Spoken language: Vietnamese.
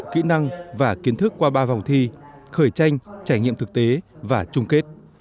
kiến thức qua ba vòng thi khởi tranh trải nghiệm thực tế và chung kết